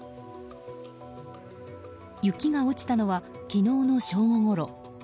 雪が落ちたのは昨日の正午ごろ。